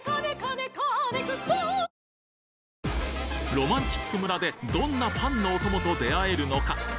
ろまんちっく村でどんなパンのお供と出合えるのか？